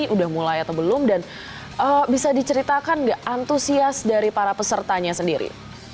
sudah mulai atau belum dan bisa diceritakan nggak antusias dari para pesertanya sendiri